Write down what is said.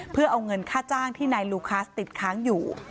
เพื่อเอาเงินค่าจ้างที่นายลูคัสติดค้างอยู่